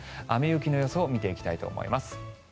雨雪の予想を見ていきたいと思います。